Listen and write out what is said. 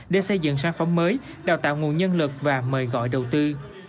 để xây dựng sản phẩm mới đào tạo nguồn nhân lực và mời gọi đầu tư